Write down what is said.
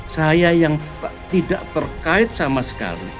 saya yang tidak terkait sama sekali